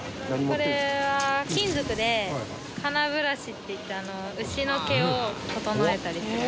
これは金属で金ブラシって言って牛の毛を整えたりする。